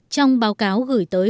trong báo cáo gửi tới